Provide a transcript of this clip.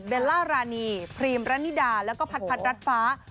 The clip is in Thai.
เบลล่ารานีพรีมรันนิดาแล้วก็พัดพัดรัดฟ้า